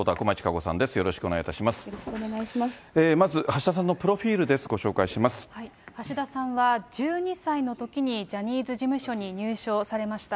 まず橋田さんのプロフィール橋田さんは、１２歳のときにジャニーズ事務所に入所されました。